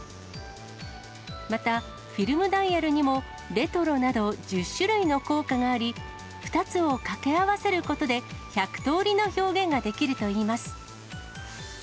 また、フィルムダイヤルにもレトロなど、１０種類の効果があり、２つを掛け合わせることで、１００通りの表現ができるといいます。